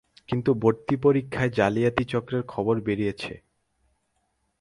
কিন্তু ভর্তি পরীক্ষায় জালিয়াতি চক্রের খবর বেরিয়েছে।